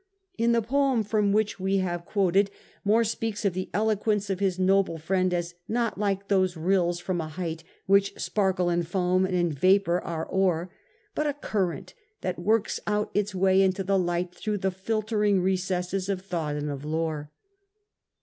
In the poem from wMch we have 1887. LORD JOHN RUSSELL. 43 quoted, Moore speaks of the eloquence of his noble friend as ' not like those rills from a height, which sparkle and foam and in vapour are o'er ; but a cur rent that works out its way into light through the filtering recesses of thought and of lore.